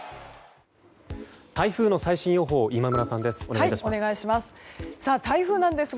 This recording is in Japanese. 台風の最新予報今村さんです。